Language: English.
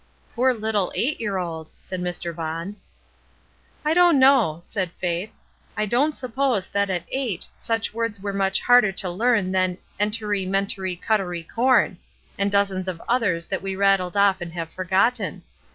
"Poor little eight year old !" said Mr. Vaughn. "I don't know," said Faith. "I don't sup pose that at eight such words were much harder to learn than 'entery mentery cutery corn,' and dozens of others that we rattled off and have forgotten.